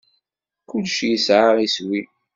Kullec yesɛa iswi.